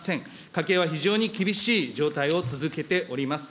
家計は非常に厳しい状態を続けております。